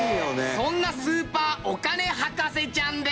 そんなスーパーお金博士ちゃんです！